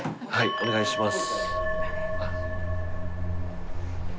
お願いします。